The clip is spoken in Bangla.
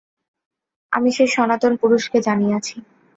আমি সেই সনাতন পুরুষকে জানিয়াছি।